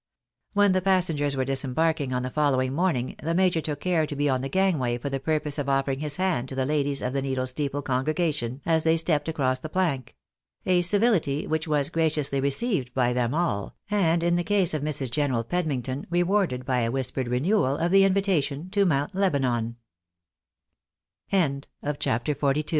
When the passengers were disembarking on the following morn ing, the major took care to be on the gangway for the purpose of offering his hand to the ladies of the Needle Steeple congregation as they stepped across the plank ; a civility which was graciously received by them all, and in the case of Mrs. General Pedmington, rewarded by a whispered renewal of the invitation to Mount Lebanon, CHAPTER XLHI. Ok reaching t